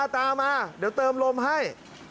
ตามมาเดี๋ยวเติมลมให้